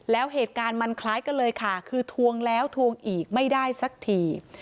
แล้วเหตุการณ์มันคล้ายกันเลยค่ะคือทวงแล้วทวงอีกไม่ได้สักที